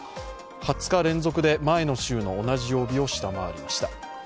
２０日連続で前の週の同じ曜日を下回りました。